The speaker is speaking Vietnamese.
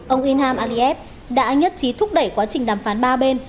ông inham aliyev đã nhất trí thúc đẩy quá trình đàm phán ba bên